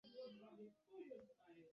Я дзейнічаю строга прыстойна.